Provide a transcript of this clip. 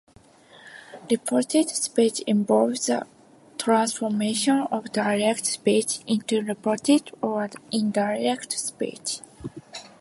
Reported speech involves the transformation of direct speech into reported or indirect speech.